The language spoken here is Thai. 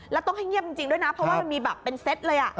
แล้วต้องให้เงียบจริงด้วยนะเพราะว่ามันมีแบบเป็นเซตเลย